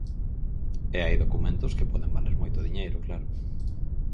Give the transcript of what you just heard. E hai documentos que poden valer moito diñeiro, claro.